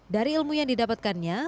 dari ilmu yang didapatkannya